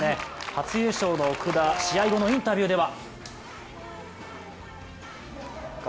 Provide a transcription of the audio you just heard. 初優勝の奥田、試合後のインタビューでは。